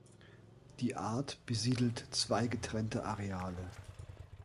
Die Art besiedelt zwei getrennte Areale.